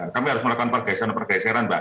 kami harus melakukan pergeseran pergeseran mbak